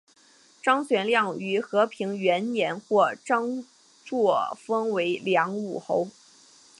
张玄靓于和平元年获张祚封为凉武侯。